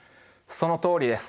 そのとおりです。